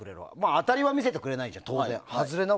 当たりは見せてくれないじゃん。